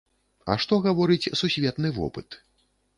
А што гаворыць сусветны вопыт?